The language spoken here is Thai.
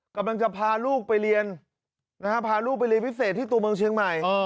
กำลังจะพาลูกไปเรียนนะฮะพาลูกไปเรียนพิเศษที่ตัวเมืองเชียงใหม่